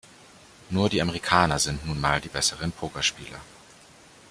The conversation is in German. Nur, die Amerikaner sind nunmal die besseren Pokerspieler.